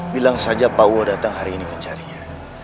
bilang saja pak uo datang hari ini mencarinya